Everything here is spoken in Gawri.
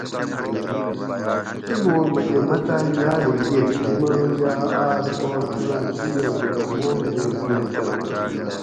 ایں ماک مئ متاۤل یاۤدہ ییگ یمرو آس پا چونڑم دیگیر گل رحمان دور گِلہ کراں